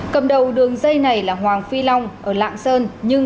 cầm đầu đường dây này là hoàng phi long ở lạng sơn